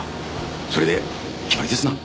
それで決まりですな。